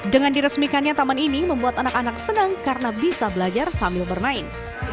dengan diresmikannya taman ini membuat anak anak senang karena bisa belajar sambil bermain